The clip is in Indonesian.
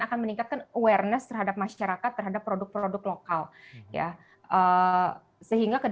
akan meningkatkan awareness terhadap masyarakat terhadap produk produk lokal ya